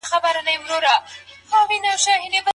ولي زیارکښ کس د مخکښ سړي په پرتله ژر بریالی کېږي؟